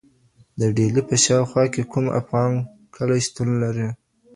د ډیلي په شاوخوا کي کوم افغان کلي شتون لري؟